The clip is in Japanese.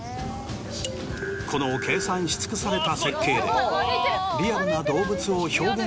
この計算し尽くされた。